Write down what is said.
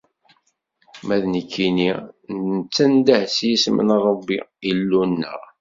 Ma d nekkni, nettandah s yisem n Rebbi, Illu-nneɣ.